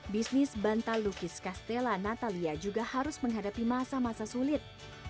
bisnis bantal lukis castella natalia juga harus menghadapi masa masa sulit